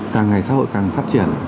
càng ngày xã hội càng phát triển